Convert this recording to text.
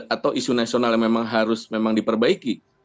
atau isu nasional yang memang harus memang diperbaiki